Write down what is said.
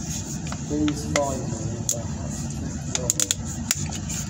Please find me the Hat Trick novel.